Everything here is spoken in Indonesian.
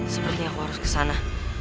sepertinya aku harus kesana